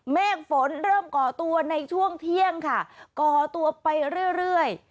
เมฆฝนเริ่มก่อตัวในช่วงเที่ยงค่ะก่อตัวไปเรื่อย